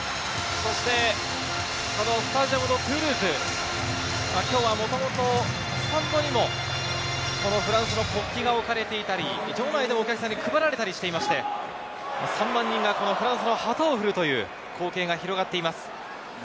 そしてスタジアム・ド・トゥールーズ、今日は元々、スタンドにもフランスの国旗が置かれていたり、場内でお客さんに配られたりしていて、３万人がフランスの旗を振るという光景が広がっています。